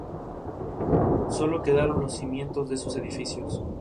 Sólo quedaron los cimientos de sus edificios.